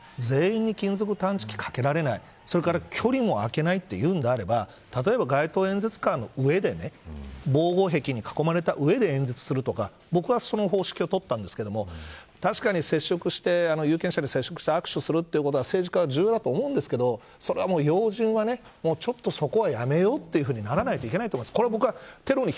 であれば、そのことを踏まえて政治家の方が全員に金属探知機をかけられないそれから距離もあけないというのであれば例えば街頭演説も防護壁に囲まれた上で演説するとか僕はその方式を取ったんですけど確かに接触して有権者と握手をするということは政治家は重要だと思うんですけどそれは要人は、そこはやめようというふうにならないといけないと思います。